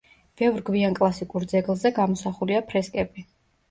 ბევრ გვიან კლასიკურ ძეგლზე გამოსახულია ფრესკები.